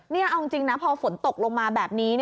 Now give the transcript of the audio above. นี่เอาจริงนะพอฝนตกลงมาแบบนี้